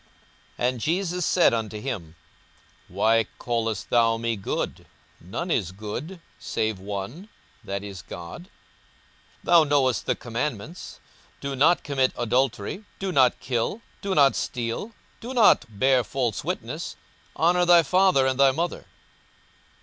42:018:019 And Jesus said unto him, Why callest thou me good? none is good, save one, that is, God. 42:018:020 Thou knowest the commandments, Do not commit adultery, Do not kill, Do not steal, Do not bear false witness, Honour thy father and thy mother.